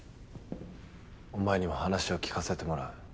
おまえにも話を聞かせてもらう。